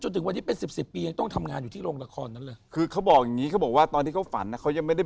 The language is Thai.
รูปเวทนาสังขารวิญญาณ